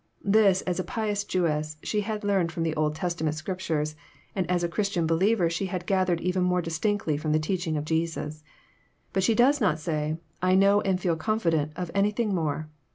This, as a pious Jewess, she had learned flrom the old Testament Scriptures, and as a Christian believer, she had gathered even more distinctly flrom the teaching of Jesus. But she does not say, *' I know and feel confident" of anything more.